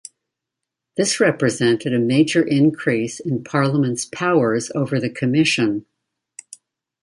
This represented a major increase in Parliament's powers over the Commission.